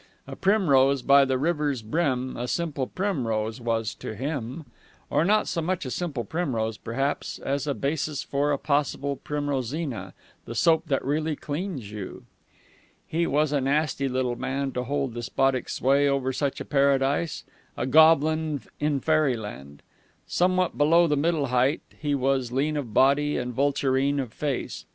A primrose by the river's brim a simple primrose was to him or not so much a simple primrose, perhaps, as a basis for a possible Primrosina, the Soap that Really Cleans You. He was a nasty little man to hold despotic sway over such a Paradise: a goblin in Fairyland. Somewhat below the middle height, he was lean of body and vulturine of face.